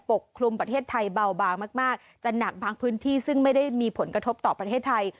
กลุ่มประเทศไทยเบาบางมากจะหนักบางพื้นที่ซึ่งไม่ได้มีผลกระทบต่อประเทศไทย